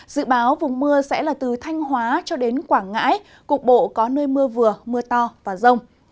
dự báo vùng mưa sẽ là từ thanh hóa cho đến quảng ngãi cục bộ có nơi mưa vừa mưa to và rông